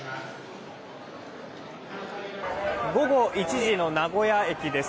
午後１時の名古屋駅です。